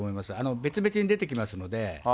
別々に出てきますので。